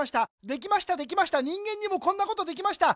できましたできました人間にもこんなことできました。